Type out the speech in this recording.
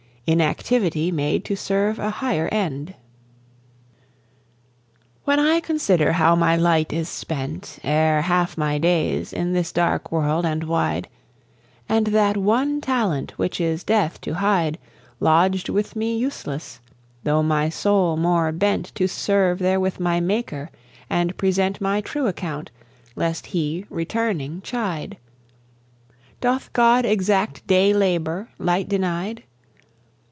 Inactivity made to serve a higher end. "All service ranks the same with God! There is no first or last." When I consider how my light is spent Ere half my days, in this dark world and wide, And that one talent which is death to hide, Lodg'd with me useless, though my soul more bent To serve therewith my Maker, and present My true account, lest He, returning, chide; Doth God exact day labour, light denied?